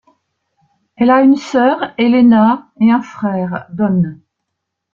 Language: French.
Elle a une sœur, Elena, et un frère, Don.